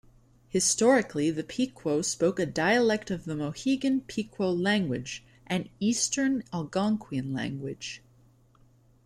Historically, the Pequot spoke a dialect of the Mohegan-Pequot language, an Eastern Algonquian language.